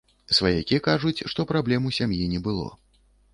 Сваякі кажуць, што праблем у сям'і не было.